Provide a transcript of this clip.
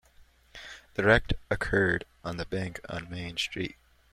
The wreck occurred by the bank on Main Street.